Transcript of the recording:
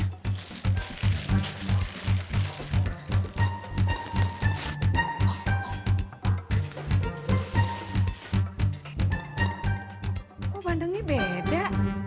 oh kok bandangnya beda